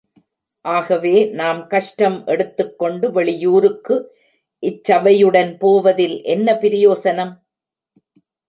ஆகவே நாம் கஷ்டம் எடுத்துக் கொண்டு வெளியூருக்கு இச்சபையுடன் போவதில் என்ன பிரயோசனம்?